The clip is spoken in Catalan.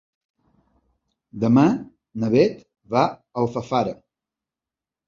Demà na Beth va a Alfafara.